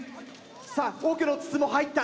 さぁ奥の筒も入った！